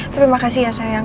terima kasih ya sayang